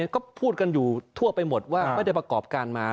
ก็พูดกันอยู่ทั่วไปหมดว่าไม่ได้ประกอบการมา